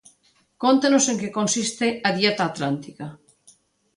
Cóntenos en que consiste a dieta atlántica?